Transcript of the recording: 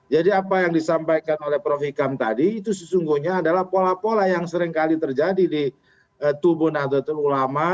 jadi apa yang disampaikan oleh prof ikam tadi itu sesungguhnya adalah pola pola yang seringkali terjadi di tubuh nahdlatul ulama